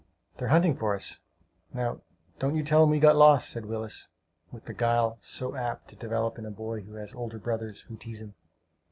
"They're hunting for us! Now don't you tell them we got lost!" said Willis, with the guile so apt to develop in a boy who has older brothers who tease him.